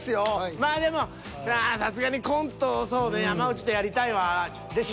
まあでもさすがに「コントを山内とやりたい」は。